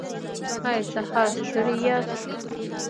ایا سهار ستړي یاست؟